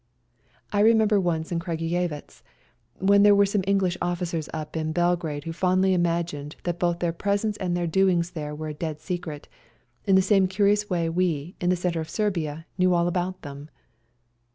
I remember once in Kragujewatz when there were some English officers up in Belgrade who fondly imagined that both their presence and their doings there were a dead secret, in the same curious way we, in the centre of Serbia, knew all about them.